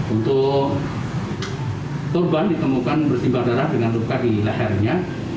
untuk turban ditemukan bersimbang darah dengan luka di lahirnya